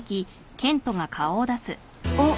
あっ。